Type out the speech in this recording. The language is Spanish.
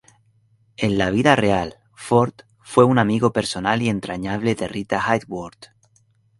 En la vida real, Ford fue un amigo personal y entrañable de Rita Hayworth.